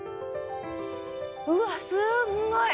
うわっすんごい！